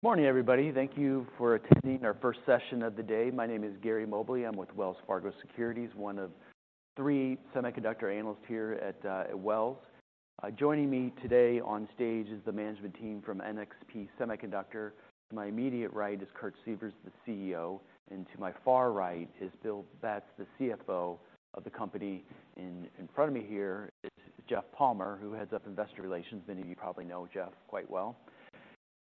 Good morning, everybody. Thank you for attending our first session of the day. My name is Gary Mobley. I'm with Wells Fargo Securities, one of three semiconductor analysts here at, at Wells. Joining me today on stage is the management team from NXP Semiconductors. To my immediate right is Kurt Sievers, the CEO, and to my far right is Bill Betz, the CFO of the company. And in front of me here is Jeff Palmer, who heads up Investor Relations. Many of you probably know Jeff quite well.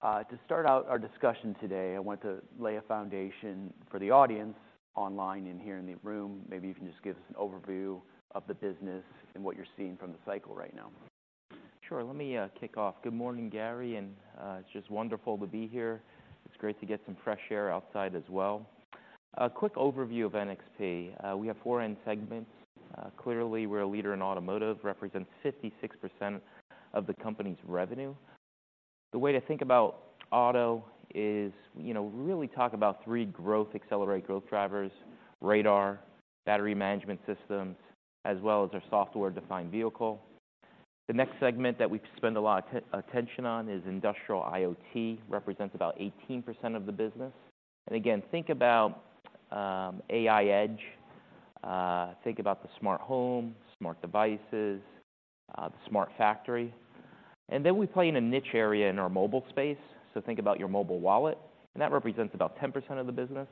To start out our discussion today, I want to lay a foundation for the audience online and here in the room. Maybe you can just give us an overview of the business and what you're seeing from the cycle right now. Sure, let me kick off. Good morning, Gary, and it's just wonderful to be here. It's great to get some fresh air outside as well. A quick overview of NXP. We have four end segments. Clearly, we're a leader in automotive, represents 56% of the company's revenue. The way to think about auto is, you know, really talk about three growth, accelerate growth drivers: radar, battery management systems, as well as our software-defined vehicle. The next segment that we spend a lot of attention on is industrial IoT, represents about 18% of the business. And again, think about AI edge, think about the smart home, smart devices, the smart factory. And then we play in a niche area in our mobile space, so think about your mobile wallet, and that represents about 10% of the business.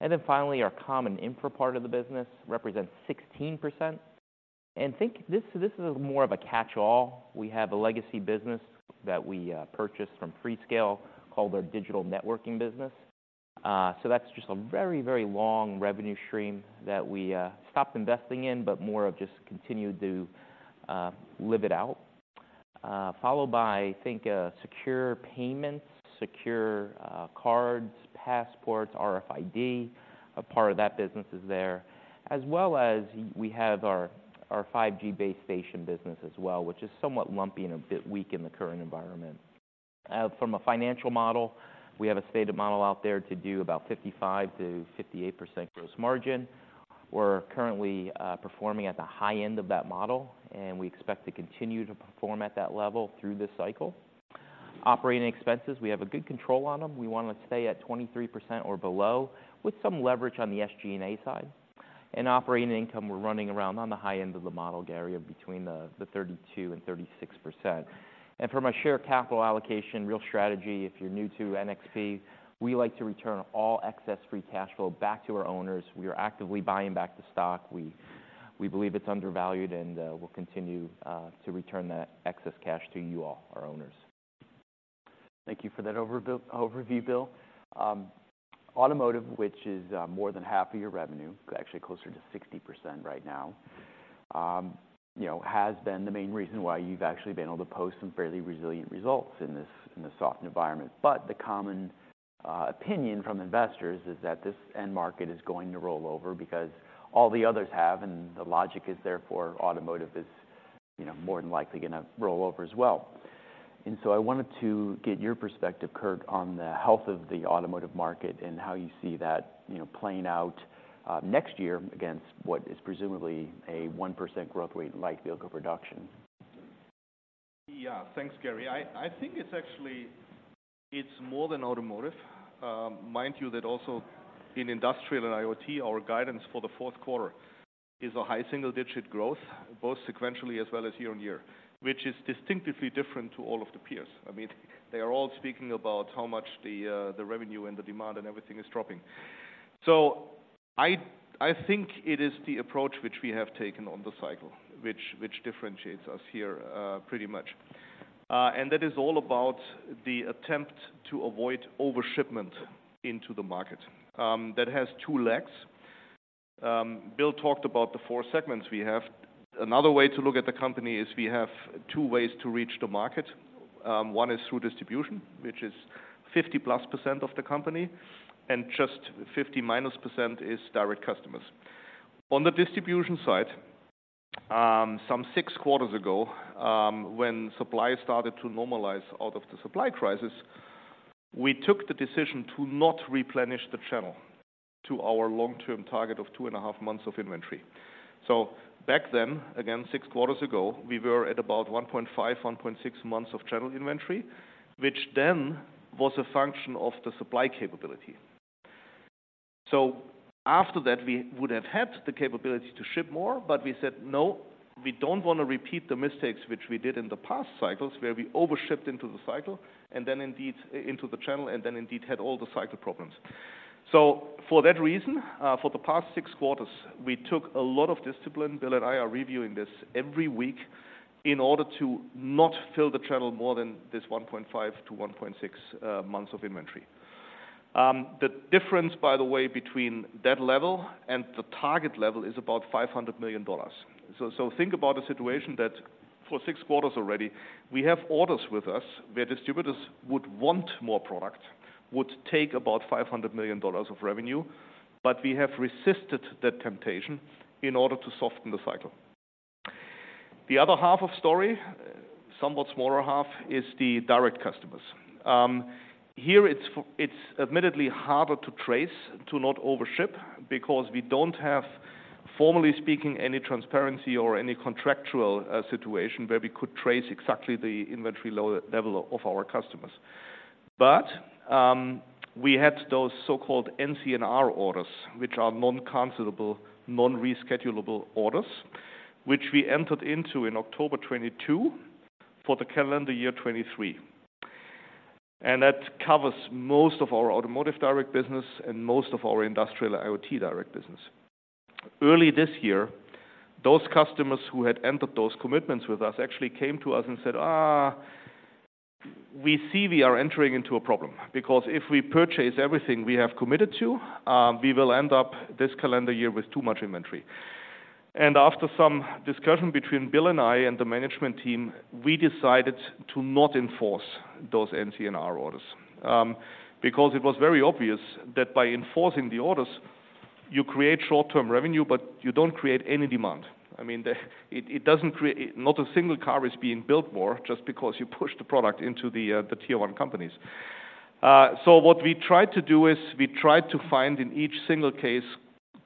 And then finally, our Comm Infra part of the business represents 16%. And think this, this is more of a catch-all. We have a legacy business that we purchased from Freescale, called our Digital Networking business. So that's just a very, very long revenue stream that we stopped investing in, but more of just continued to live it out. Followed by, think, secure payments, secure cards, passports, RFID, a part of that business is there, as well as we have our 5G base station business as well, which is somewhat lumpy and a bit weak in the current environment. From a financial model, we have a stated model out there to do about 55%-58% gross margin. We're currently performing at the high end of that model, and we expect to continue to perform at that level through this cycle. Operating expenses, we have a good control on them. We wanna stay at 23% or below, with some leverage on the SG&A side. And operating income, we're running around on the high end of the model, Gary, of between the thirty-two and thirty-six percent. And from a share capital allocation, real strategy, if you're new to NXP, we like to return all excess free cash flow back to our owners. We are actively buying back the stock. We, we believe it's undervalued and, we'll continue to return that excess cash to you all, our owners. Thank you for that overview, Bill. Automotive, which is more than half of your revenue, actually closer to 60% right now, you know, has been the main reason why you've actually been able to post some fairly resilient results in this in this softened environment. But the common opinion from investors is that this end market is going to roll over because all the others have, and the logic is there for automotive is, you know, more than likely gonna roll over as well. And so I wanted to get your perspective, Kurt, on the health of the automotive market and how you see that, you know, playing out next year against what is presumably a 1% growth rate light vehicle production. Yeah. Thanks, Gary. I think it's actually more than automotive. Mind you that also in industrial and IoT, our guidance for the fourth quarter is a high single-digit growth, both sequentially as well as year-on-year, which is distinctively different to all of the peers. I mean, they are all speaking about how much the revenue and the demand and everything is dropping. So I think it is the approach which we have taken on the cycle, which differentiates us here pretty much. And that is all about the attempt to avoid overshipment into the market. That has two legs. Bill talked about the four segments we have. Another way to look at the company is we have two ways to reach the market. One is through distribution, which is 50+% of the company, and just 50-% is direct customers. On the distribution side, six quarters ago, when supply started to normalize out of the supply crisis, we took the decision to not replenish the channel to our long-term target of 2.5 months of inventory. Back then, again, six quarters ago, we were at about 1.5-1.6 months of channel inventory, which then was a function of the supply capability. So after that, we would have had the capability to ship more, but we said, "No, we don't wanna repeat the mistakes which we did in the past cycles, where we overshipped into the cycle, and then indeed into the channel, and then indeed had all the cycle problems." So for that reason, for the past six quarters, we took a lot of discipline. Bill and I are reviewing this every week in order to not fill the channel more than this 1.5-1.6 months of inventory. The difference, by the way, between that level and the target level is about $500 million. So, think about a situation that for six quarters already, we have orders with us, where distributors would want more product, would take about $500 million of revenue, but we have resisted that temptation in order to soften the cycle. The other half of story, somewhat smaller half, is the direct customers. Here it's admittedly harder to trace, to not overship because we don't have formally speaking, any transparency or any contractual situation where we could trace exactly the inventory low level of our customers. But, we had those so-called NCNR orders, which are non-cancellable, non-returnable orders, which we entered into in October 2022 for the calendar year 2023. And that covers most of our automotive direct business and most of our industrial IoT direct business. Early this year, those customers who had entered those commitments with us actually came to us and said, "Ah, we see we are entering into a problem. Because if we purchase everything we have committed to, we will end up this calendar year with too much inventory." And after some discussion between Bill and I and the management team, we decided to not enforce those NCNR orders. Because it was very obvious that by enforcing the orders, you create short-term revenue, but you don't create any demand. I mean, it doesn't create not a single car is being built more just because you push the product into the Tier 1 companies. So what we tried to do is we tried to find in each single case,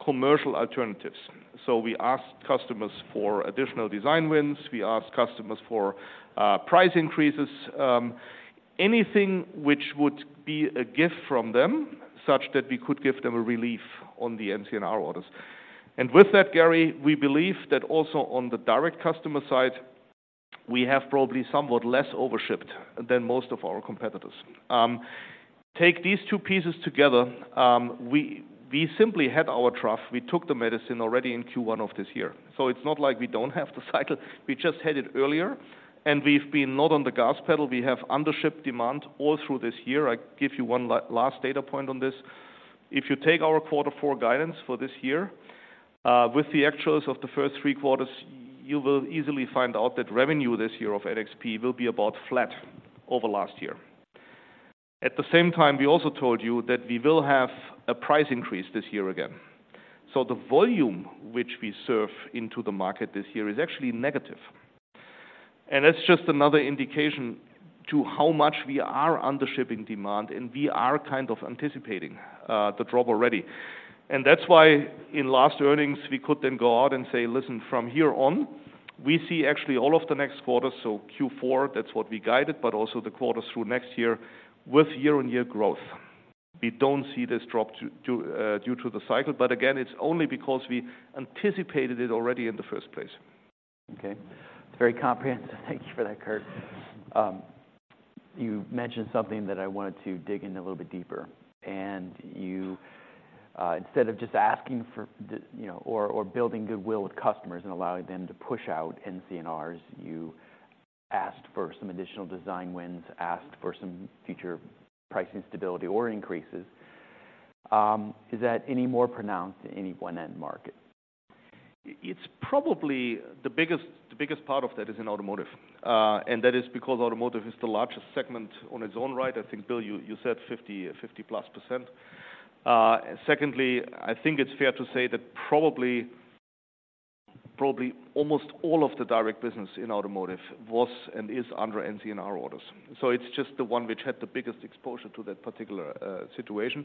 commercial alternatives. So we asked customers for additional design wins. We asked customers for price increases, anything which would be a gift from them, such that we could give them a relief on the NCNR orders. And with that, Gary, we believe that also on the direct customer side, we have probably somewhat less overshipped than most of our competitors. Take these two pieces together, we simply had our trough. We took the medicine already in Q1 of this year, so it's not like we don't have the cycle. We just had it earlier, and we've been not on the gas pedal. We have undershipped demand all through this year. I give you one last data point on this. If you take our quarter four guidance for this year, with the actuals of the first three quarters, you will easily find out that revenue this year of NXP will be about flat over last year. At the same time, we also told you that we will have a price increase this year again. So the volume which we serve into the market this year is actually negative. And that's just another indication to how much we are undershipping demand, and we are kind of anticipating, the drop already. And that's why in last earnings, we could then go out and say, "Listen, from here on, we see actually all of the next quarters," so Q4, that's what we guided, but also the quarters through next year, with year-on-year growth. We don't see this drop due to the cycle, but again, it's only because we anticipated it already in the first place. Okay. It's very comprehensive. Thank you for that, Kurt. You mentioned something that I wanted to dig in a little bit deeper. And you, instead of just asking for the, you know, or building goodwill with customers and allowing them to push out NCNRs, you asked for some additional design wins, asked for some future pricing stability or increases. Is that any more pronounced in any one end market? It's probably the biggest, the biggest part of that is in automotive. And that is because automotive is the largest segment on its own right. I think, Bill, you, you said 50, 50+%. Secondly, I think it's fair to say that probably, probably almost all of the direct business in automotive was and is under NCNR orders. So it's just the one which had the biggest exposure to that particular situation.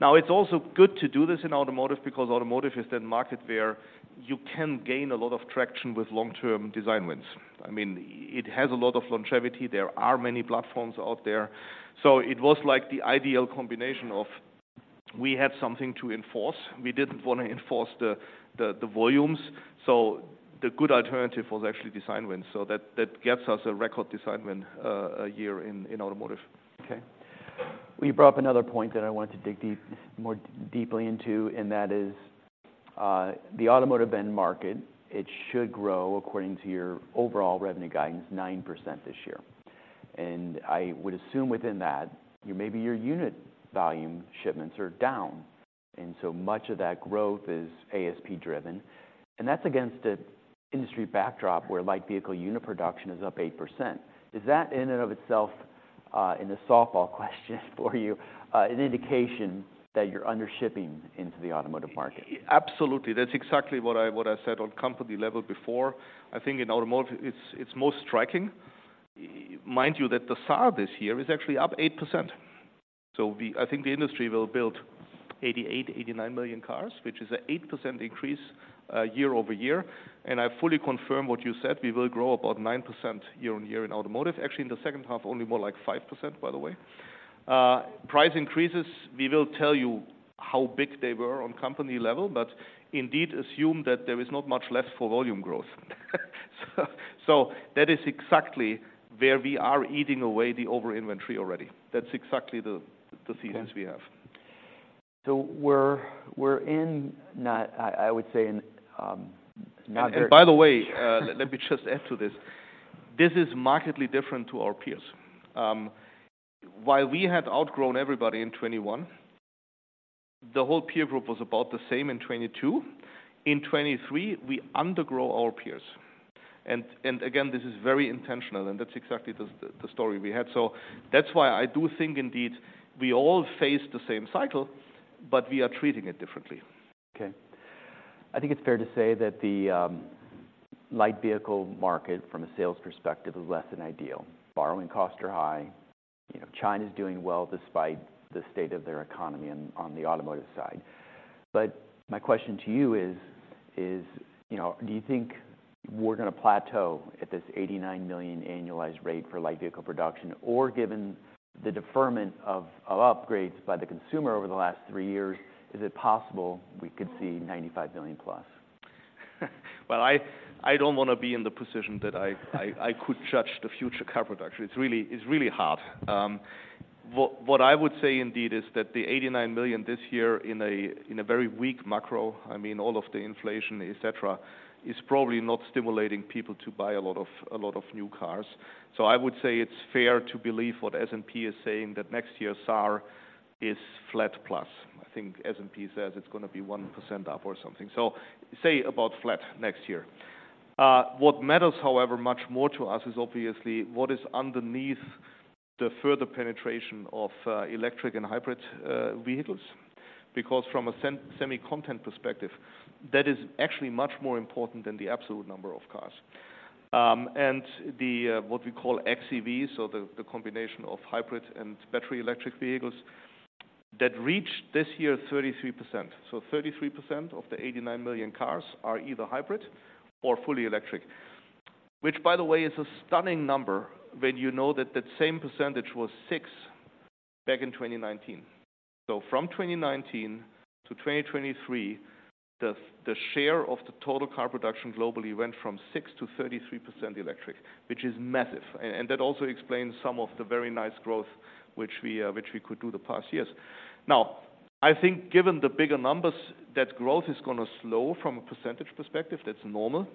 Now, it's also good to do this in automotive because automotive is that market where you can gain a lot of traction with long-term design wins. I mean, it has a lot of longevity. There are many platforms out there. So it was like the ideal combination of we had something to enforce. We didn't want to enforce the, the, the volumes, so the good alternative was actually design wins. That gets us a record design win, a year in automotive. Okay. Well, you brought up another point that I wanted to dig more deeply into, and that is, the automotive end market. It should grow according to your overall revenue guidance, 9% this year. And I would assume within that, maybe your unit volume shipments are down, and so much of that growth is ASP driven. And that's against an industry backdrop where light vehicle unit production is up 8%. Is that in and of itself, and a softball question for you, an indication that you're undershipping into the automotive market? Absolutely. That's exactly what I, what I said on company level before. I think in automotive, it's, it's most striking. Mind you, that the SAR this year is actually up 8%. So, I think the industry will build 88-89 million cars, which is an 8% increase year-over-year. And I fully confirm what you said, we will grow about 9% year-over-year in automotive. Actually, in the second half, only more like 5%, by the way. Price increases, we will tell you how big they were on company level, but indeed assume that there is not much left for volume growth. So, so that is exactly where we are eating away the over inventory already. That's exactly the, the reasons we have. So we're in, not. I would say in not very- And by the way, let me just add to this. This is markedly different to our peers. While we had outgrown everybody in 2021, the whole peer group was about the same in 2022. In 2023, we undergrow our peers. And, and again, this is very intentional, and that's exactly the, the story we had. So that's why I do think indeed, we all face the same cycle, but we are treating it differently. Okay. I think it's fair to say that the light vehicle market from a sales perspective is less than ideal. Borrowing costs are high. You know, China's doing well despite the state of their economy on the automotive side. But my question to you is, you know, do you think we're gonna plateau at this 89 million annualized rate for light vehicle production? Or given the deferment of upgrades by the consumer over the last three years, is it possible we could see 95 million plus? Well, I don't wanna be in the position that I could judge the future car production. It's really, it's really hard. What I would say indeed is that the 89 million this year in a very weak macro, I mean, all of the inflation, et cetera, is probably not stimulating people to buy a lot of new cars. So I would say it's fair to believe what S&P is saying, that next year SAR is flat plus. I think S&P says it's gonna be 1% up or something. So say about flat next year. What matters, however, much more to us is obviously what is underneath the further penetration of electric and hybrid vehicles. Because from a semi-content perspective, that is actually much more important than the absolute number of cars. And the what we call xEVs, so the combination of hybrid and battery electric vehicles, that reached this year 33%. So 33% of the 89 million cars are either hybrid or fully electric, which, by the way, is a stunning number when you know that that same percentage was 6% back in 2019. So from 2019 to 2023, the share of the total car production globally went from 6% to 33% electric, which is massive. And that also explains some of the very nice growth which we could do the past years. Now, I think given the bigger numbers, that growth is gonna slow from a percentage perspective, that's normal,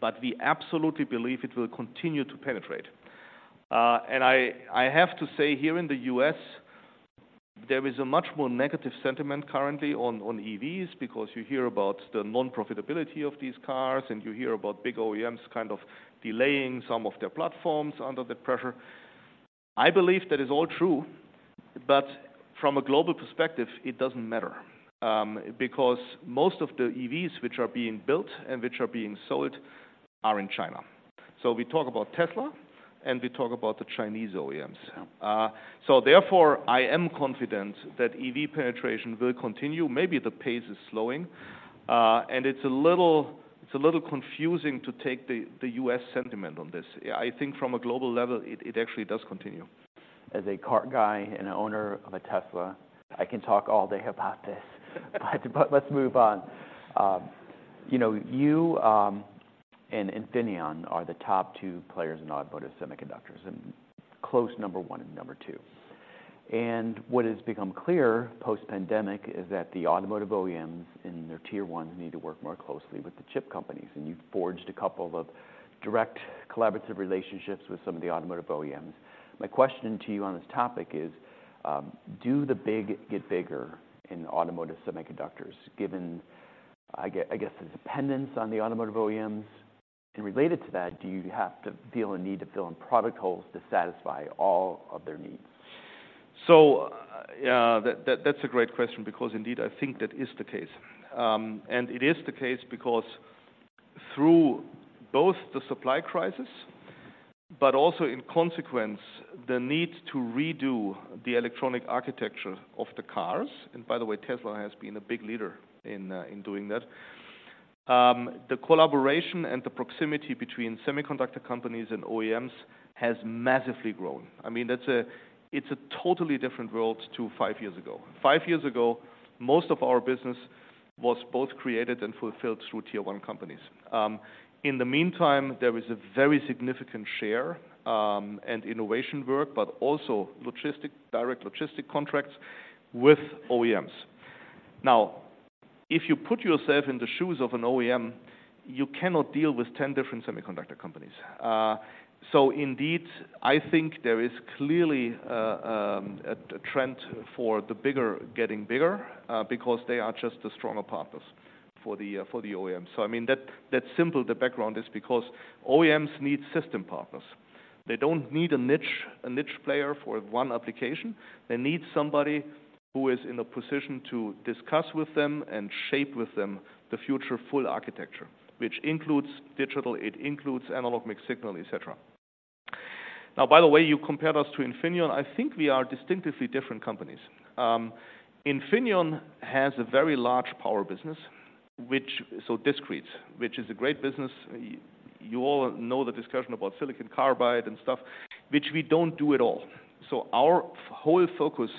but we absolutely believe it will continue to penetrate. I have to say, here in the U.S., there is a much more negative sentiment currently on EVs because you hear about the non-profitability of these cars, and you hear about big OEMs kind of delaying some of their platforms under the pressure. I believe that is all true, but from a global perspective, it doesn't matter, because most of the EVs which are being built and which are being sold are in China. So we talk about Tesla, and we talk about the Chinese OEMs. Yeah. So therefore, I am confident that EV penetration will continue. Maybe the pace is slowing, and it's a little, it's a little confusing to take the U.S. sentiment on this. I think from a global level, it actually does continue. As a car guy and owner of a Tesla, I can talk all day about this. But, let's move on. You know, you, and Infineon are the top two players in automotive semiconductors, and close number one and number two. And what has become clear post-pandemic is that the automotive OEMs and their Tier 1s need to work more closely with the chip companies, and you've forged a couple of direct collaborative relationships with some of the automotive OEMs. My question to you on this topic is, do the big get bigger in automotive semiconductors, given, I guess, the dependence on the automotive OEMs? And related to that, do you have to feel a need to fill in product holes to satisfy all of their needs? That's a great question because indeed, I think that is the case. And it is the case because through both the supply crisis, but also in consequence, the need to redo the electronic architecture of the cars, and by the way, Tesla has been a big leader in doing that. The collaboration and the proximity between semiconductor companies and OEMs has massively grown. I mean, that's a. It's a totally different world to five years ago. Five years ago, most of our business was both created and fulfilled through Tier 1 companies. In the meantime, there is a very significant share and innovation work, but also logistics, direct logistics contracts with OEMs. Now, if you put yourself in the shoes of an OEM, you cannot deal with 10 different semiconductor companies. So indeed, I think there is clearly a trend for the bigger getting bigger, because they are just the stronger partners for the OEMs. So I mean, that's simple. The background is because OEMs need system partners. They don't need a niche player for one application. They need somebody who is in a position to discuss with them and shape with them the future full architecture, which includes digital, it includes analog, mixed signal, et cetera. Now, by the way, you compared us to Infineon. I think we are distinctively different companies. Infineon has a very large power business, which, so discrete, which is a great business. You all know the discussion about silicon carbide and stuff, which we don't do at all. So our whole focus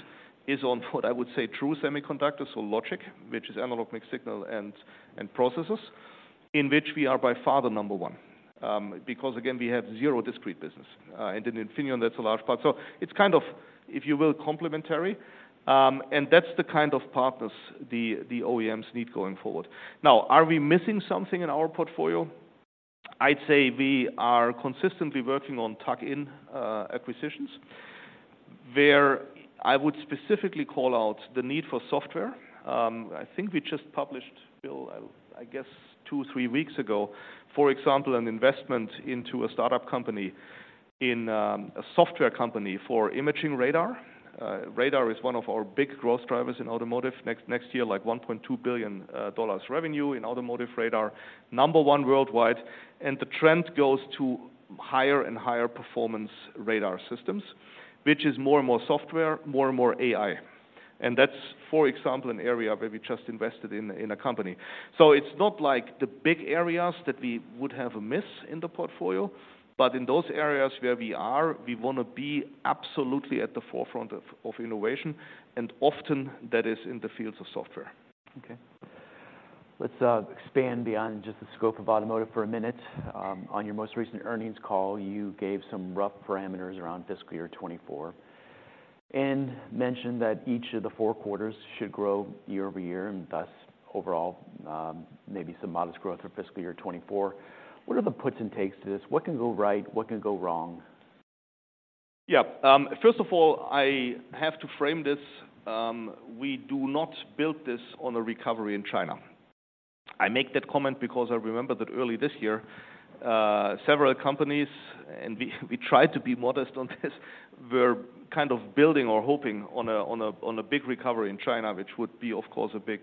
is on what I would say, true semiconductors, so logic, which is analog, mixed signal, and processes, in which we are by far the number one, because, again, we have zero discrete business. And in Infineon, that's a large part. So it's kind of, if you will, complementary, and that's the kind of partners the OEMs need going forward. Now, are we missing something in our portfolio? I'd say we are consistently working on tuck-in acquisitions, where I would specifically call out the need for software. I think we just published, Bill, I guess, 2-3 weeks ago, for example, an investment into a startup company in a software company for imaging radar. Radar is one of our big growth drivers in automotive. Next year, like $1.2 billion revenue in automotive radar, number one worldwide, and the trend goes to higher and higher performance radar systems, which is more and more software, more and more AI. And that's, for example, an area where we just invested in a company. So it's not like the big areas that we would have a miss in the portfolio, but in those areas where we are, we wanna be absolutely at the forefront of innovation, and often that is in the fields of software. Okay. Let's expand beyond just the scope of automotive for a minute. On your most recent earnings call, you gave some rough parameters around fiscal year 2024, and mentioned that each of the foue quarters should grow year over year, and thus, overall, maybe some modest growth for fiscal year 2024. What are the puts and takes to this? What can go right? What can go wrong? Yeah, first of all, I have to frame this. We do not build this on a recovery in China. I make that comment because I remember that early this year, several companies, and we tried to be modest on this, were kind of building or hoping on a big recovery in China, which would be, of course, a big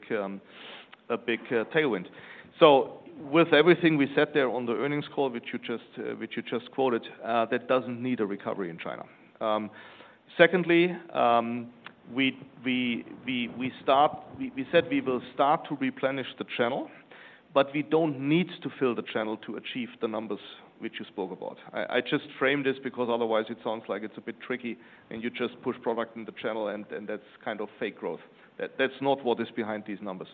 tailwind. So with everything we said there on the earnings call, which you just quoted, that doesn't need a recovery in China. Secondly, we said we will start to replenish the channel, but we don't need to fill the channel to achieve the numbers which you spoke about. I just framed this because otherwise it sounds like it's a bit tricky, and you just push product in the channel, and that's kind of fake growth. That's not what is behind these numbers.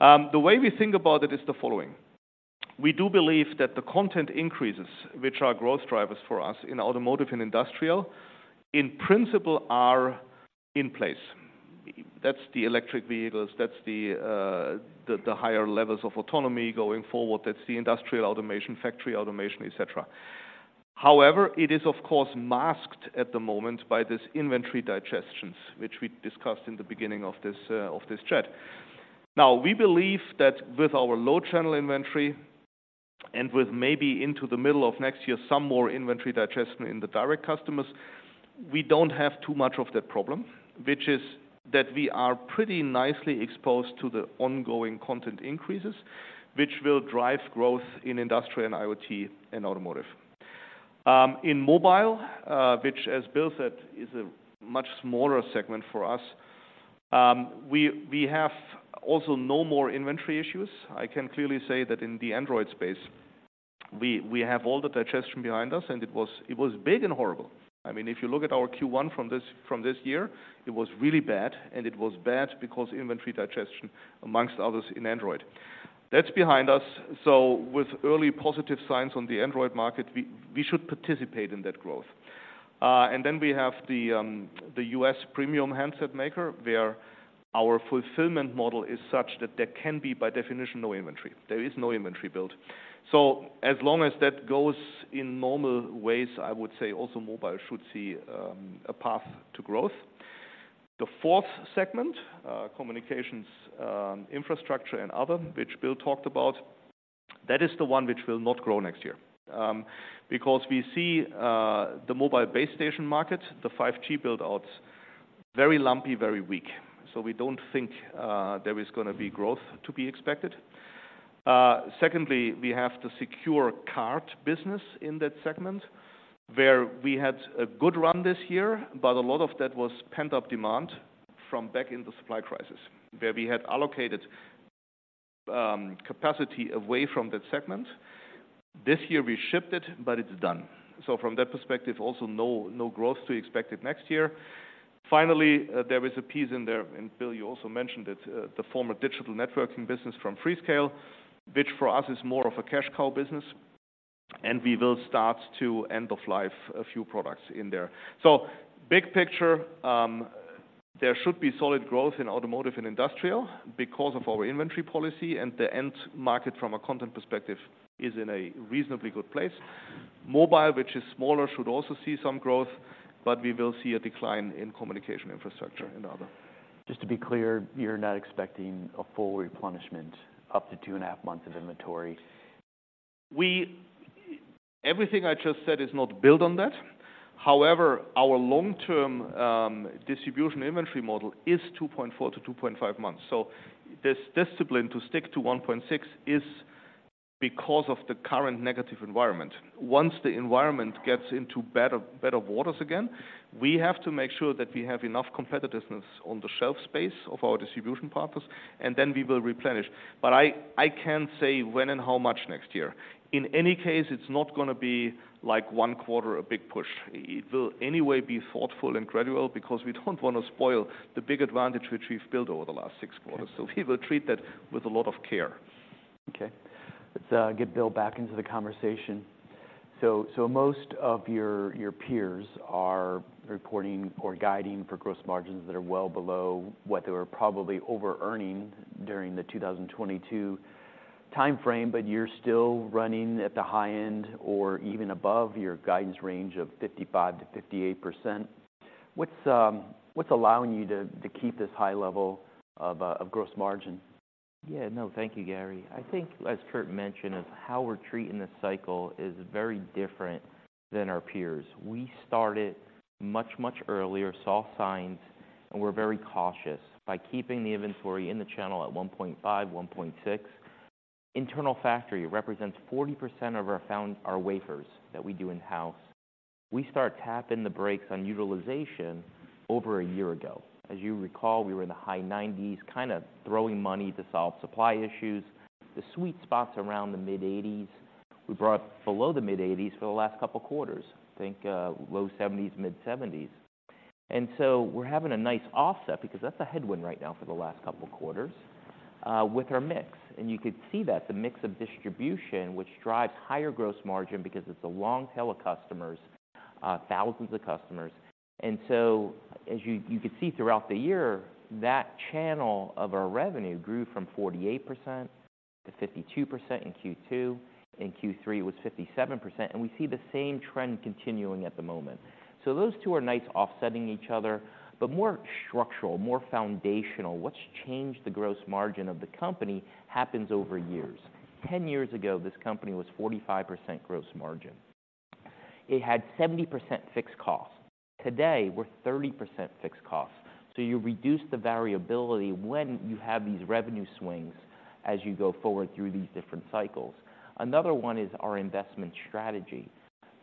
The way we think about it is the following: We do believe that the content increases, which are growth drivers for us in automotive and industrial, in principle, are in place. That's the electric vehicles, that's the higher levels of autonomy going forward, that's the industrial automation, factory automation, et cetera. However, it is, of course, masked at the moment by this inventory digestion, which we discussed in the beginning of this chat. Now, we believe that with our low channel inventory and with maybe into the middle of next year, some more inventory digestion in the direct customers, we don't have too much of that problem, which is that we are pretty nicely exposed to the ongoing content increases, which will drive growth in industrial and IoT and automotive. In mobile, which, as Bill said, is a much smaller segment for us, we have also no more inventory issues. I can clearly say that in the Android space, we have all the digestion behind us, and it was big and horrible. I mean, if you look at our Q1 from this year, it was really bad, and it was bad because inventory digestion, among others, in Android. That's behind us. So with early positive signs on the Android market, we should participate in that growth. And then we have the U.S. premium handset maker, where our fulfillment model is such that there can be, by definition, no inventory. There is no inventory build. So as long as that goes in normal ways, I would say also mobile should see a path to growth. The fourth segment, communications infrastructure and other, which Bill talked about, that is the one which will not grow next year. Because we see the mobile base station market, the 5G build outs, very lumpy, very weak. So we don't think there is gonna be growth to be expected. Secondly, we have the secure card business in that segment, where we had a good run this year, but a lot of that was pent-up demand from back in the supply crisis, where we had allocated capacity away from that segment. This year we shipped it, but it's done. So from that perspective, also, no, no growth to be expected next year. Finally, there is a piece in there, and Bill, you also mentioned it, the former Digital Networking business from Freescale, which for us is more of a cash cow business, and we will start to end of life a few products in there. So big picture, there should be solid growth in automotive and industrial because of our inventory policy, and the end market from a content perspective is in a reasonably good place. Mobile, which is smaller, should also see some growth, but we will see a decline in communication infrastructure and other. Just to be clear, you're not expecting a full replenishment up to 2.5 months of inventory? Everything I just said is not built on that. However, our long-term distribution inventory model is 2.4-2.5 months. So this discipline to stick to 1.6 is because of the current negative environment. Once the environment gets into better waters again, we have to make sure that we have enough competitiveness on the shelf space of our distribution partners, and then we will replenish. But I can't say when and how much next year. In any case, it's not gonna be like one quarter, a big push. It will anyway be thoughtful and gradual because we don't wanna spoil the big advantage which we've built over the last six quarters. Okay. We will treat that with a lot of care. Okay. Let's get Bill back into the conversation. So, so most of your, your peers are reporting or guiding for gross margins that are well below what they were probably over-earning during the 2022 timeframe, but you're still running at the high end or even above your guidance range of 55%-58%. What's, what's allowing you to, to keep this high level of, of gross margin? ... Yeah, no, thank you, Gary. I think as Kurt mentioned, is how we're treating this cycle is very different than our peers. We started much, much earlier, saw signs, and we're very cautious by keeping the inventory in the channel at 1.5, 1.6. Internal factory represents 40% of our foundry, our wafers that we do in-house. We start tapping the brakes on utilization over a year ago. As you recall, we were in the high 90s, kind of throwing money to solve supply issues. The sweet spot's around the mid-80s. We brought below the mid-80s for the last couple of quarters, I think, low 70s, mid-70s. And so we're having a nice offset because that's a headwind right now for the last couple of quarters, with our mix. You could see that the mix of distribution, which drives higher gross margin because it's a long tail of customers, thousands of customers. So as you can see throughout the year, that channel of our revenue grew from 48% to 52% in Q2, in Q3 was 57%, and we see the same trend continuing at the moment. Those two are nice offsetting each other, but more structural, more foundational. What's changed the gross margin of the company happens over years. 10 years ago, this company was 45% gross margin. It had 70% fixed costs. Today, we're 30% fixed costs. So you reduce the variability when you have these revenue swings as you go forward through these different cycles. Another one is our investment strategy.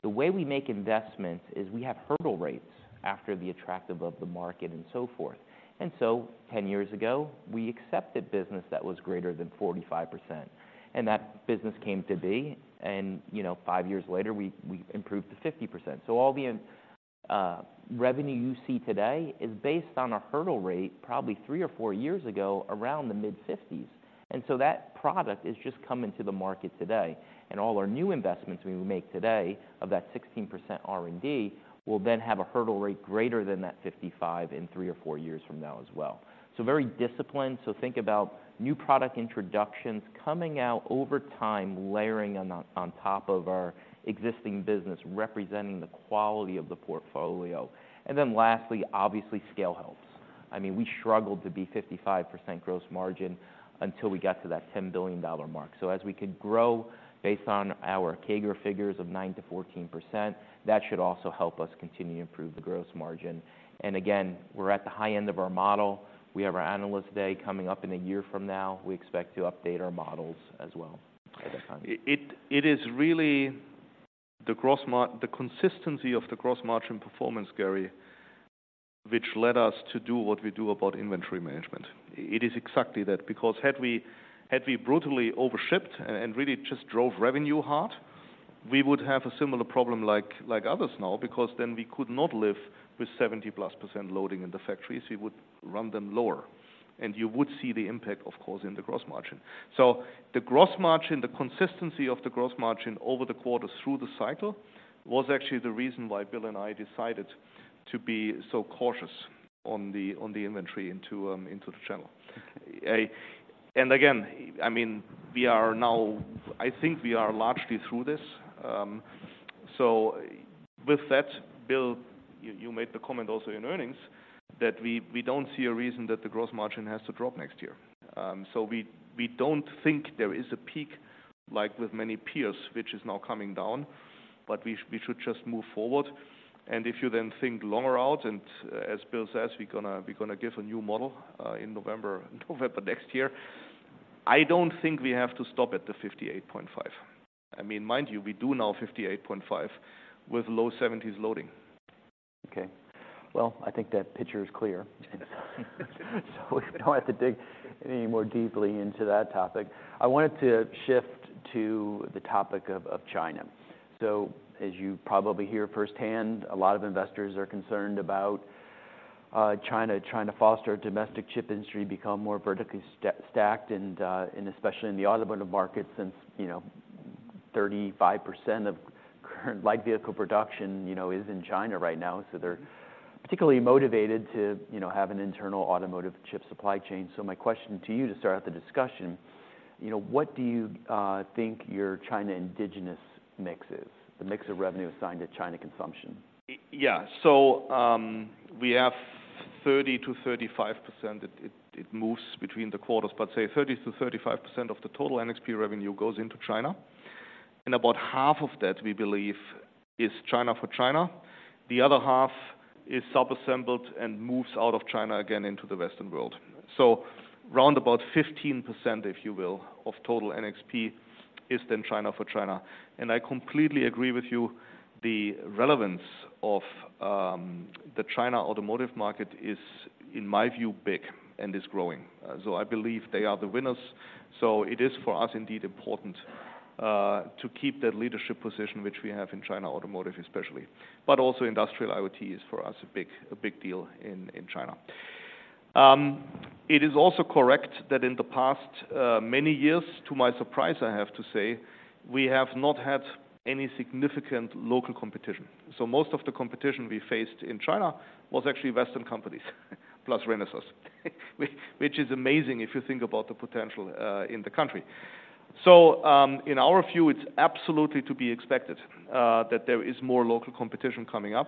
The way we make investments is we have hurdle rates after the attractive of the market and so forth. So 10 years ago, we accepted business that was greater than 45%, and that business came to be, and, you know, five years later, we improved to 50%. So all the revenue you see today is based on a hurdle rate, probably three or four years ago, around the mid-50s. And so that product is just coming to the market today, and all our new investments we make today of that 16% R&D, will then have a hurdle rate greater than that 55 in three or four years from now as well. So very disciplined. So think about new product introductions coming out over time, layering on top of our existing business, representing the quality of the portfolio. Then lastly, obviously, scale helps. I mean, we struggled to be 55% gross margin until we got to that $10 billion mark. So as we could grow based on our CAGR figures of 9%-14%, that should also help us continue to improve the gross margin. Again, we're at the high end of our model. We have our Analyst Day coming up in a year from now. We expect to update our models as well at that time. It is really the gross margin—the consistency of the gross margin performance, Gary, which led us to do what we do about inventory management. It is exactly that, because had we brutally overshipped and really just drove revenue hard, we would have a similar problem like others now, because then we could not live with 70%+ loading in the factories. We would run them lower, and you would see the impact, of course, in the gross margin. So the gross margin, the consistency of the gross margin over the quarters through the cycle, was actually the reason why Bill and I decided to be so cautious on the inventory into the channel. And again, I mean, we are now—I think we are largely through this. So with that, Bill, you made the comment also in earnings that we don't see a reason that the gross margin has to drop next year. So we don't think there is a peak, like with many peers, which is now coming down, but we should just move forward. And if you then think longer out, and as Bill says, we're gonna give a new model in November next year. I don't think we have to stop at the 58.5. I mean, mind you, we do now 58.5 with low 70s loading. Okay, well, I think that picture is clear. So we don't have to dig any more deeply into that topic. I wanted to shift to the topic of China. So as you probably hear firsthand, a lot of investors are concerned about China trying to foster a domestic chip industry, become more vertically stacked and especially in the automotive market, since, you know, 35% of current light vehicle production, you know, is in China right now. So they're particularly motivated to, you know, have an internal automotive chip supply chain. So my question to you to start out the discussion, you know, what do you think your China indigenous mix is? The mix of revenue assigned to China consumption. Yeah. So, we have 30%-35%. It moves between the quarters, but say 30%-35% of the total NXP revenue goes into China, and about half of that, we believe, is China for China. The other half is sub-assembled and moves out of China, again, into the Western world. So round about 15%, if you will, of total NXP is then China for China. And I completely agree with you, the relevance of the China automotive market is, in my view, big and is growing. So I believe they are the winners. So it is, for us, indeed important, to keep that leadership position, which we have in China automotive especially, but also Industrial IoT is, for us, a big, a big deal in China. It is also correct that in the past many years, to my surprise, I have to say, we have not had any significant local competition. So most of the competition we faced in China was actually Western companies, plus Renesas, which is amazing if you think about the potential in the country. So, in our view, it's absolutely to be expected that there is more local competition coming up.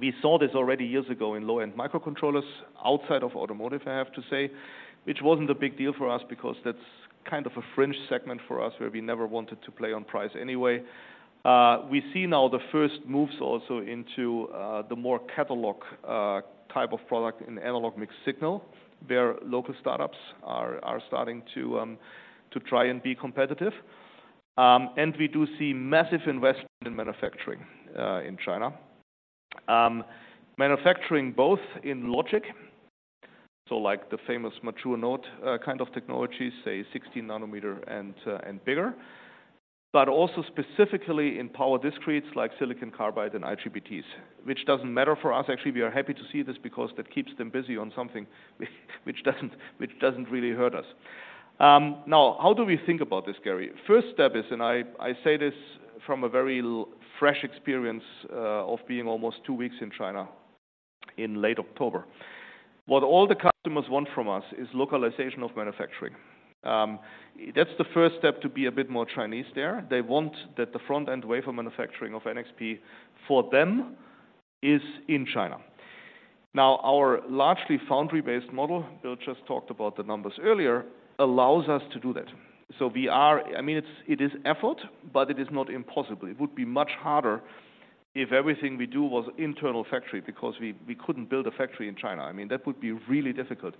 We saw this already years ago in low-end microcontrollers, outside of automotive, I have to say, which wasn't a big deal for us because that's kind of a fringe segment for us, where we never wanted to play on price anyway. We see now the first moves also into the more catalog type of product in analog mixed signal, where local startups are starting to try and be competitive. And we do see massive investment in manufacturing in China. Manufacturing both in logic, so like the famous mature node kind of technology, say 16 nm and bigger, but also specifically in power discretes like silicon carbide and IGBTs, which doesn't matter for us. Actually, we are happy to see this because that keeps them busy on something which doesn't really hurt us. Now, how do we think about this, Gary? First step is, and I say this from a very fresh experience of being almost two weeks in China in late October. What all the customers want from us is localization of manufacturing. That's the first step to be a bit more Chinese there. They want that the front-end wafer manufacturing of NXP for them is in China. Now, our largely foundry-based model, Bill just talked about the numbers earlier, allows us to do that. So we are—I mean, it's, it is effort, but it is not impossible. It would be much harder if everything we do was internal factory, because we couldn't build a factory in China. I mean, that would be really difficult.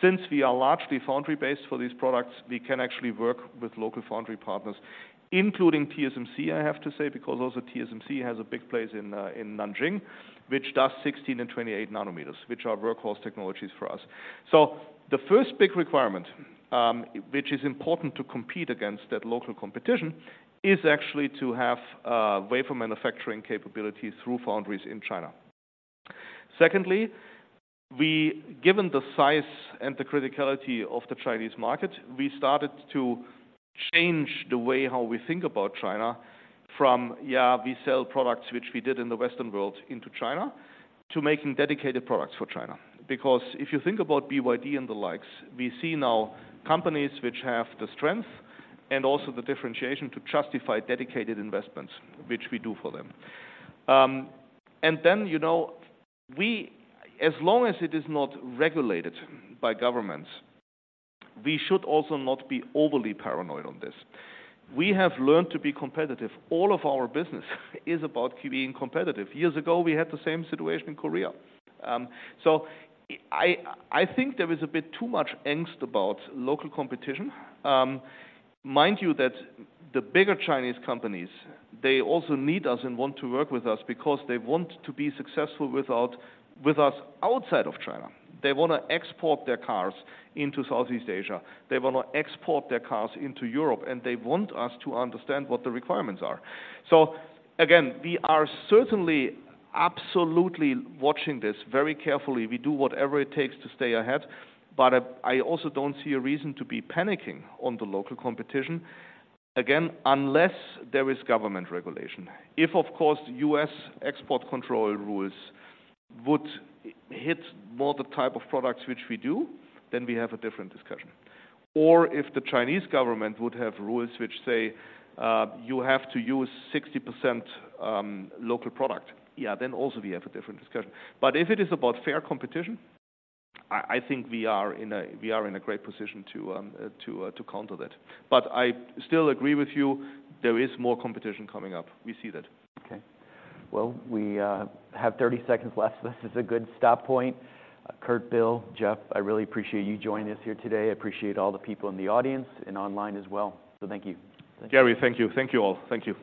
Since we are largely foundry-based for these products, we can actually work with local foundry partners, including TSMC, I have to say, because also TSMC has a big place in Nanjing, which does 16 nm and 28 nm, which are workhorse technologies for us. So the first big requirement, which is important to compete against that local competition, is actually to have wafer manufacturing capabilities through foundries in China. Secondly, given the size and the criticality of the Chinese market, we started to change the way how we think about China from, yeah, we sell products, which we did in the Western world, into China, to making dedicated products for China. Because if you think about BYD and the likes, we see now companies which have the strength and also the differentiation to justify dedicated investments, which we do for them. And then, you know, as long as it is not regulated by governments, we should also not be overly paranoid on this. We have learned to be competitive. All of our business is about keeping competitive. Years ago, we had the same situation in Korea. So, I think there is a bit too much angst about local competition. Mind you, that the bigger Chinese companies, they also need us and want to work with us because they want to be successful without- with us outside of China. They want to export their cars into Southeast Asia, they want to export their cars into Europe, and they want us to understand what the requirements are. So again, we are certainly, absolutely watching this very carefully. We do whatever it takes to stay ahead, but I also don't see a reason to be panicking on the local competition. Again, unless there is government regulation. If, of course, U.S. export control rules would hit more the type of products which we do, then we have a different discussion. Or if the Chinese government would have rules which say, you have to use 60%, local product, yeah, then also we have a different discussion. But if it is about fair competition, I think we are in a great position to counter that. But I still agree with you, there is more competition coming up. We see that. Okay. Well, we have 30 seconds left. This is a good stop point. Kurt, Bill, Jeff, I really appreciate you joining us here today. I appreciate all the people in the audience and online as well. Thank you. Gary, thank you. Thank you all. Thank you.